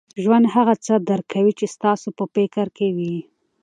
ژوند هغه څه درکوي، چي ستاسو په فکر کي وي.